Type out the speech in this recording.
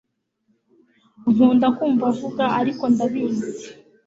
nkunda kumva avuga, ariko ndabizi